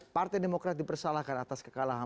partai demokrat dipersalahkan atas kekalahan